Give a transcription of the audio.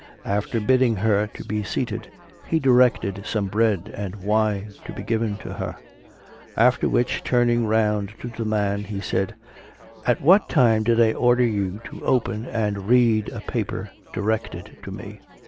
After bidding her to be seated, he directed some bread and wine to be given to her; after which, turning round to the man, he said, "At what time did I order you to open and read a paper directed to me?